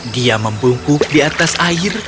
dia membungkuk di atas air